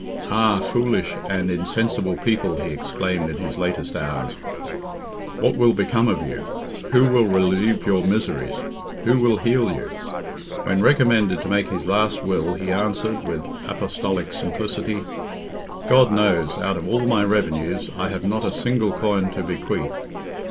"Ah, foolish and insensible people!" he exclaimed in his latest hours, "what will become of you? Who will relieve your miseries? Who will heal you?" When recommended to make his last will, he answered, with apostolic simplicity—"God knows, out of all my revenues, I have not a single coin to bequeath."